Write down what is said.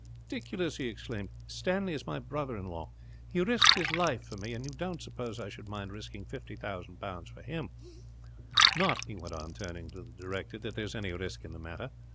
"'Ridiculous,' he exclaimed, hotly; 'Stanley is my brother in law. He risked his life for me, and you don't suppose that I should mind risking 50,000 pounds for him. "'Not,' he went on, turning to the director, 'that there is any risk in the matter.